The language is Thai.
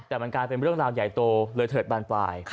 แต่มันกลายเป็นเรื่องราวใหญ่โตเลยเถิดบานปลาย